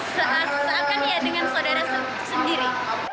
seakan akan ya dengan saudara sendiri